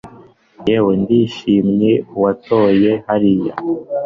yewe ndishimye uwatoye hariya